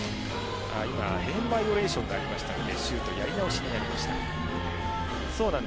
今ゲームバイオレーションがありましたのでシュートやり直しになりました。